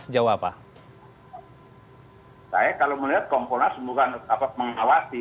saya kalau melihat kompolnas bukan mengawasi